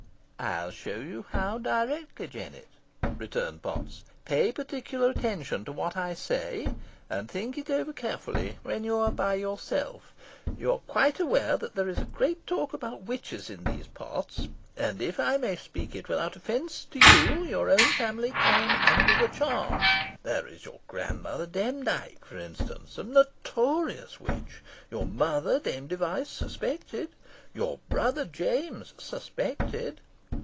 "I'll show you how directly, Jennet," returned Potts. "Pay particular attention to what I say, and think it over carefully, when you are by yourself. You are quite aware that there is a great talk about witches in these parts; and, I may speak it without offence to you, your own family come under the charge. There is your grandmother Demdike, for instance, a notorious witch your mother, Dame Device, suspected your brother James suspected."